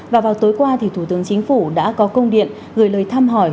và vào tối qua thì thủ tướng chính phủ đã có công điện gửi lời thăm hỏi